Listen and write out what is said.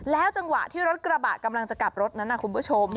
จังหวะที่รถกระบะกำลังจะกลับรถนั้นคุณผู้ชม